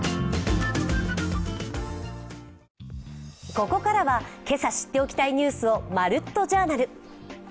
ここからは今朝知っておきたいニュースを「まるっと！Ｊｏｕｒｎａｌ」